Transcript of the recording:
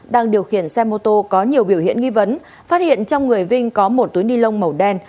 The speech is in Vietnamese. đang điều khiển xe mô tô có nhiều biểu hiện nghi vấn phát hiện trong người vinh có một túi ni lông màu đen